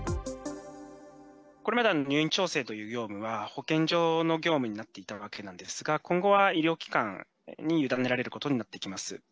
これまで入院調整という業務は、保健所の業務になっていたわけなんですが、今後は医療機関に委ねられることになってきます。